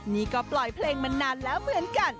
นี่ก็ปล่อยเพลงมานานแล้วเหมือนกัน